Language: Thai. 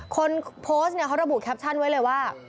คนโพสต์เนี่ยเขาระบุแคปชั่นไว้เลยว่า